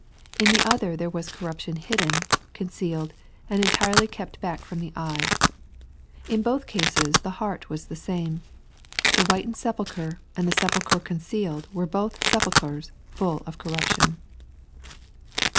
In the other there was corruption hidden, concealed, and entirely kept back from the eye. — In both cases the heart was the same. The whit ened sepulchre and the sepulchre concealed were both sepulchres full of corruption.